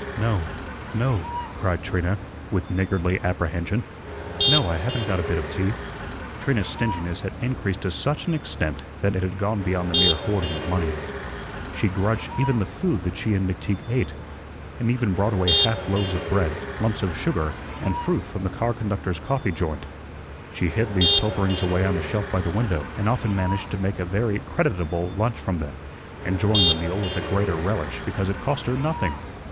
"No, no," cried Trina, with niggardly apprehension; "no, I haven't got a bit of tea." Trina's stinginess had increased to such an extent that it had gone beyond the mere hoarding of money. She grudged even the food that she and McTeague ate, and even brought away half loaves of bread, lumps of sugar, and fruit from the car conductors' coffee joint. She hid these pilferings away on the shelf by the window, and often managed to make a very creditable lunch from them, enjoying the meal with the greater relish because it cost her nothing.